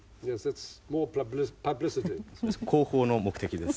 広報の目的です。